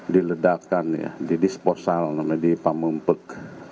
diledakan di disposal di pamumpek